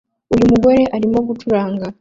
Uyu mugore arimo gucuranga